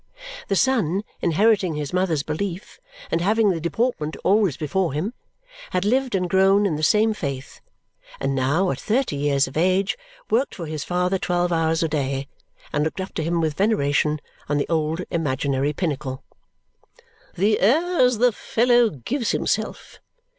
The son, inheriting his mother's belief, and having the deportment always before him, had lived and grown in the same faith, and now, at thirty years of age, worked for his father twelve hours a day and looked up to him with veneration on the old imaginary pinnacle. "The airs the fellow gives himself!"